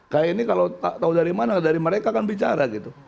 kayak ini kalau tahu dari mana dari mereka kan bicara gitu